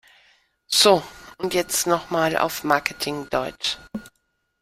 So, und jetzt noch mal auf Marketing-Deutsch!